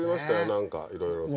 何かいろいろと。